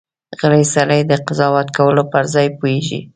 غلی سړی، د قضاوت کولو پر ځای پوهېږي.